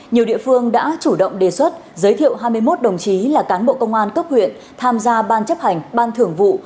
nhiều địa phương đã chủ động đề xuất giới thiệu hai mươi một đồng chí là cán bộ công an cấp huyện tham gia ban chấp hành ban thưởng vụ